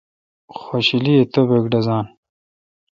خوشیلی توبک ڈزان۔